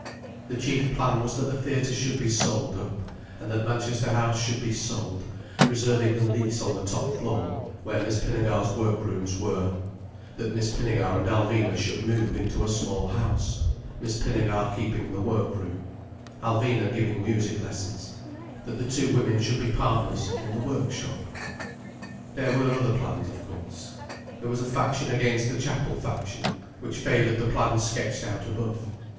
The chief plan was that the theatre should be sold up: and that Manchester House should be sold, reserving a lease on the top floor, where Miss Pinnegar's work rooms were: that Miss Pinnegar and Alvina should move into a small house, Miss Pinnegar keeping the work room, Alvina giving music lessons: that the two women should be partners in the work shop. There were other plans, of course. There was a faction against the chapel faction, which favoured the plan sketched out above.